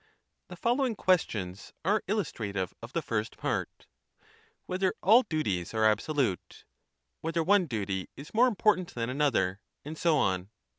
The following questions are illustrative of the first part: whether all duties are absolute ; whether one duty is more important than another; and so on.